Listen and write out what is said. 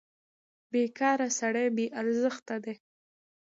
بېکاره سړی بې ارزښته دی.